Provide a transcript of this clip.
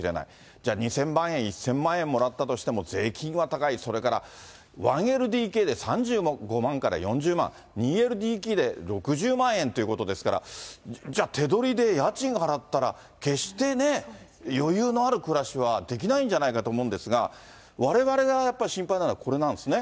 じゃあ、２０００万円、１０００万円もらったとしても、税金は高い、それから１ＬＤＫで３５万から４０万、２ＬＤＫで６０万円ということですから、じゃあ、手取りで家賃払ったら、決してね、余裕のある暮らしはできないんじゃないかと思うんですが、われわれがやっぱり心配なのは、これなんですね。